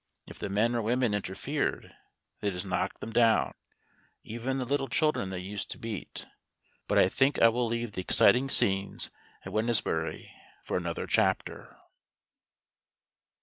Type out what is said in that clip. If the men or women interfered, they just knocked them down; even the little children they used to beat. But I think I will leave the exciting scenes at Wednesbury for another chapter.